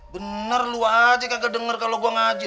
bener lu aja kagak denger kalo gua ngaji